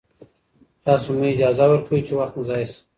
تاسو مه اجازه ورکوئ چې وخت مو ضایع شي.